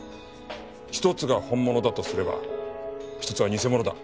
１つが本物だとすれば１つは偽物だ。